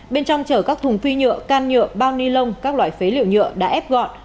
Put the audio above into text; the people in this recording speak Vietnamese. bên trong chở các thùng phi nhựa can nhựa bao ni lông các loại phế liệu nhựa đã ép gọn